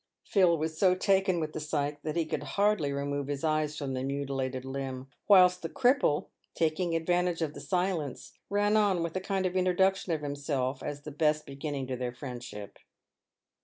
Phil was so taken with the sight that he could hardly remove his eyes from the mutilated limb, whilst the cripple, taking advantage of the silence, ran on with a kind of introduction of himself as the best beginning to their friendship.